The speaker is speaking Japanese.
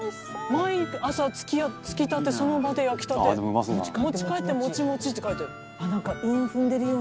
「毎朝つきたてその場で焼きたて持ち帰ってモチモチ」って書いてある。